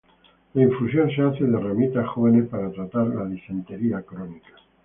La infusión se hace de ramitas jóvenes para tratar la disentería crónica.